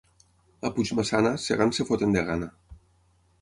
A Puigmaçana, segant es foten de gana.